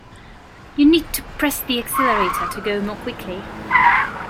You need to press the accelerator to go more quickly